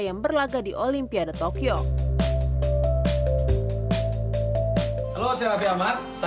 yang berlaga di olimpia com